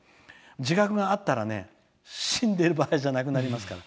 自覚があったら死んでる場合じゃなくなるから。